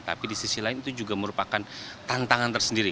tapi di sisi lain itu juga merupakan tantangan tersendiri